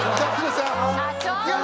社長！